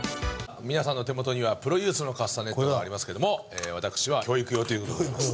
皆さんの手元にはプロユースのカスタネットがありますけども私は教育用という事でございます。